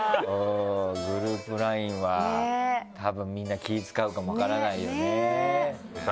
グループＬＩＮＥはたぶんみんな気使うかも分からないよね。